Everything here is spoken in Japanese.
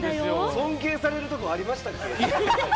尊敬されるところありましたっけ？